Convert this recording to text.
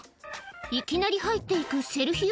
いきなり入っていくセルヒオ